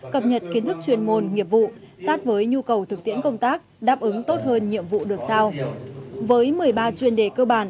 cập nhật kiến thức chuyên môn nghiệp vụ sát với nhu cầu thực tiễn công tác đáp ứng tốt hơn nhiệm vụ được sao